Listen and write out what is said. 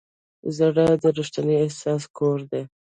زړه د ریښتیني احساس کور دی.